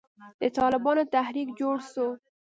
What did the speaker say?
د طالبانو تحريک جوړ سو.